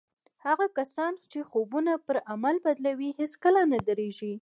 هغه کسان چې خوبونه پر عمل بدلوي هېڅکله نه درېږي.